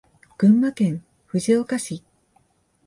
群馬県藤岡市